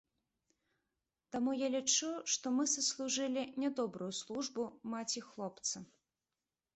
Таму я лічу, што мы саслужылі нядобрую службу маці хлопца.